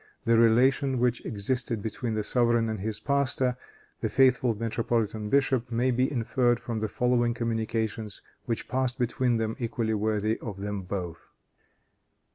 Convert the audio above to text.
The relation which existed between the sovereign and his pastor, the faithful metropolitan bishop, may be inferred from the following communications which passed between them, equally worthy of them both.